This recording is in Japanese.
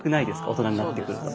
大人になってくると。